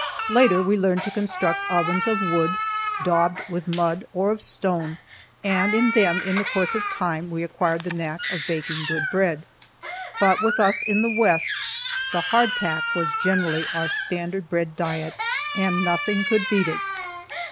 Later we learned to construct ovens of wood, daubed with mud, or of stone, and in them, in the course of time, we acquired the knack of baking good bread. But with us in the west the hardtack was generally our standard bread diet, and nothing could beat it.